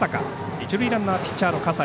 一塁ランナー、ピッチャー葛西。